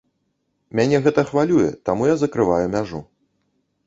Мяне гэта хвалюе, таму я закрываю мяжу.